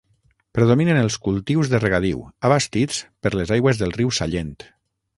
Predominen els cultius de regadiu, abastits per les aigües del riu Sallent.